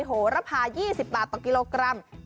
กระเทียมไทยแกะกลีบ๕๒บาทต่อกิโลกรัมจ้า